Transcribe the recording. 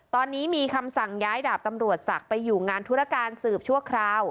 ตอนนี้มีคำสั่งย้ายดาบตำรวจศักดิ์ไปอยู่งานธุรการสืบชั่วคราว